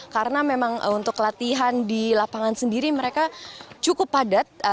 karena memang untuk latihan di lapangan sendiri mereka cukup padat